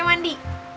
saya udah mati